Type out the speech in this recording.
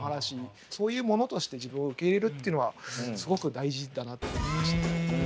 そういうものとして自分を受け入れるっていうのはすごく大事だなと思いました。